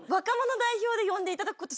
で呼んでいただくこと。